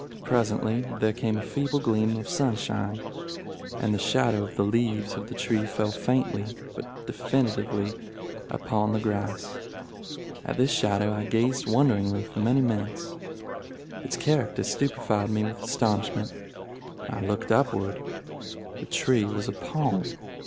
Presently there came a feeble gleam of sunshine, and the shadow of the leaves of the tree fell faintly but definitely upon the grass. At this shadow I gazed wonderingly for many minutes. Its character stupefied me with astonishment. I looked upward. The tree was a palm.